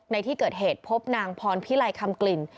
ในที่เกิดเหตุพบนางพรพิไลคำกลิ่น